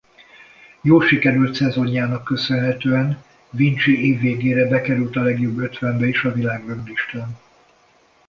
Jól sikerült szezonjának köszönhetően Vinci év végére bekerült a legjobb ötvenbe is a világranglistán.